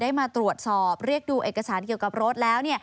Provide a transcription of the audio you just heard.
มาตรวจสอบเรียกดูเอกสารเกี่ยวกับรถแล้ว